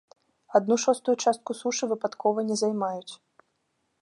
Адну шостую частку сушы выпадкова не займаюць.